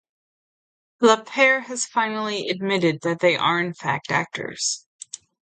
Lapaire has finally admitted that they are in fact actors.